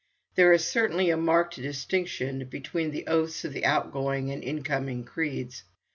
There is certainly a marked distinction between the oaths of the outgoing and incoming creeds.